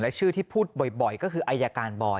และชื่อที่พูดบ่อยก็คืออายการบอย